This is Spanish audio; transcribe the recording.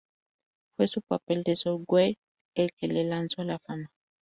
Fue su papel en "So Weird" el que le lanzó a la fama.